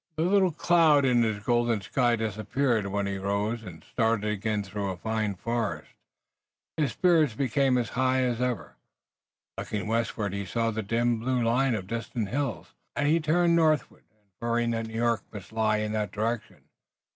The little cloud in his golden sky disappeared when he rose and started again through a fine forest. His spirits became as high as ever. Looking westward he saw the dim blue line of distant hills, and he turned northward, inferring that New York must lie in that direction.